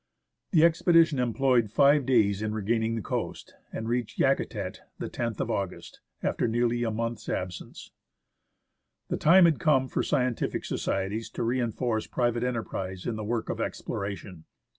The expedition employed five days in regaining the coast, 53 THE ASCENT OF MOUNT ST. ELIAS and reached Yakutat, the loth of August, after nearly a month's absence. The time had come for scientific societies to reinforce private enterprise in the work of exploration.